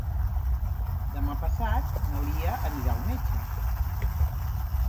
Demà passat na Lia anirà al metge.